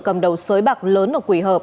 cầm đầu sới bạc lớn ở quỳ hợp